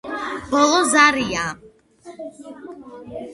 ბოლო ზარია